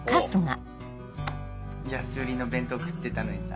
安売りの弁当食ってたのにさ